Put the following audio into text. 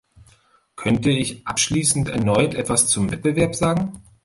Könnte ich abschließend erneut etwas zum Wettbewerb sagen?